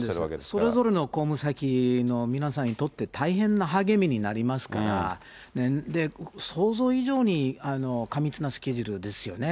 それぞれの公務先の皆さんにとって、大変な励みになりますから、想像以上に過密なスケジュールですよね。